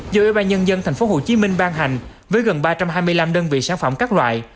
do ủy ban nhân dân tp hcm ban hành với gần ba trăm hai mươi năm đơn vị sản phẩm các loại